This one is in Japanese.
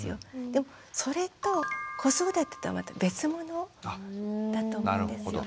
でもそれと子育てとはまた別物だと思うんですよ。